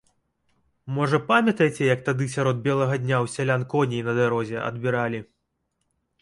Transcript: Можа, памятаеце, як тады сярод белага дня ў сялян коней на дарозе адбіралі.